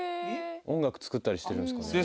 音楽作ったりしてるんですかね？